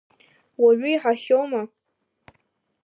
Уаҩы иаҳахьоума!